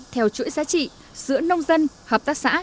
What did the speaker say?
theo chuỗi giá trị giữa nông dân hợp tác xã